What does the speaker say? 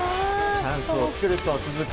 チャンスを作ると続く